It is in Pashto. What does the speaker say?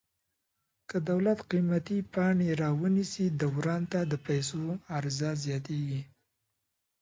که دولت قیمتي پاڼې را ونیسي دوران ته د پیسو عرضه زیاتیږي.